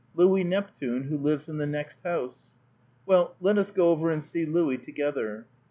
Louis Neptune, who lives in the next house. Well, let us go over and see Louis together.